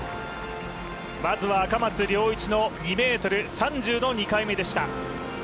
まずは赤松諒一の２ｍ３０の２回目でした。